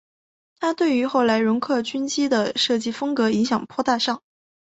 它对于后来容克军机的设计风格影响颇大上。